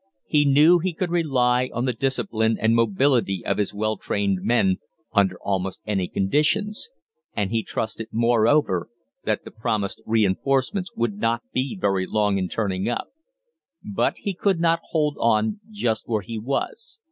He knew he could rely on the discipline and mobility of his well trained men under almost any conditions, and he trusted, moreover, that the promised reinforcements would not be very long in turning up. But he could not hold on just where he was.